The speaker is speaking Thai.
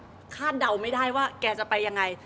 ดูไม่ได้แบบคาดเดาไม่ได้ว่าแกจะไปยังไง